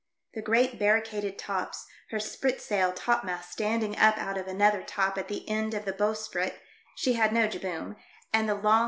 The sfreat barricaded tops, her spritsail topmast standing up out of another top at the end of the bow sprit— she had no jibboom — and the long I $2 THE DEATH SHIP.